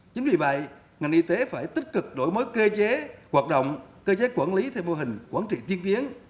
chính vì vậy ngành y tế phải tích cực đổi mới cơ chế hoạt động cơ chế quản lý theo mô hình quản trị tiên tiến